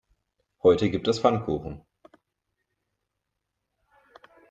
Heute gibt es Pfannkuchen.